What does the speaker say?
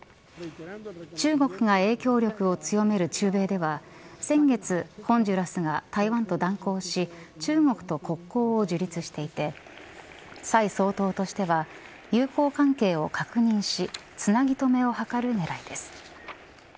中国が影響力を強める中米では先月ホンジュラスが台湾と断交し中国と国交を樹立していて蔡総統としては友好関係を確認しつなぎ留めを図る狙いです。